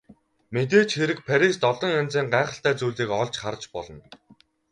Мэдээж хэрэг Парист олон янзын гайхалтай зүйлийг олж харж болно.